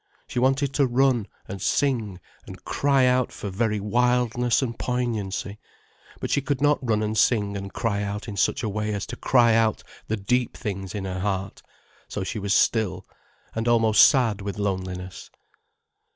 She wanted to run, and sing, and cry out for very wildness and poignancy, but she could not run and sing and cry out in such a way as to cry out the deep things in her heart, so she was still, and almost sad with loneliness.